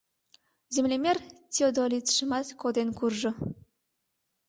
Землемер теодолитшымат коден куржо.